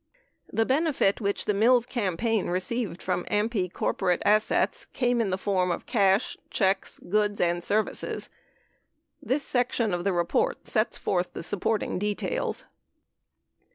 8 The benefit which the Mills campaign received from AMPI cor porate assets came in the form of cash, checks, goods, and services. This section of the report sets forth the supporting details.